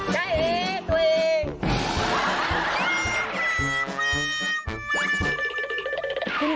ได้อีกตัวเอง